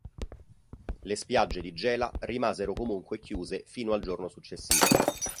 Le spiagge di Gela rimasero comunque chiuse fino al giorno successivo.